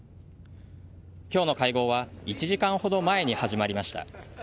今日の会合は１時間ほど前に始まりました。